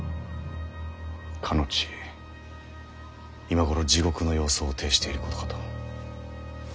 かの地今頃地獄の様相を呈していることかと。